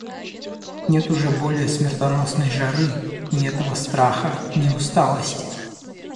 Нет уже более смертоносной жары, ни этого страха, ни усталости.